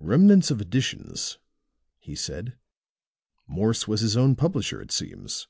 "Remnants of editions," he said. "Morse was his own publisher, it seems."